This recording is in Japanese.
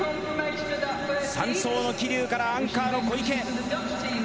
３走の桐生からアンカーの小池。